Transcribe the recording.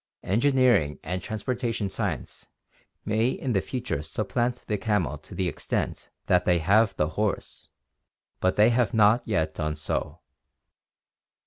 En gineering and transportation science may in the future supplant the camel to the extent that they have the horse, but they have not yet done so.